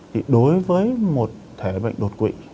thì đối với một thể bệnh đột quỵ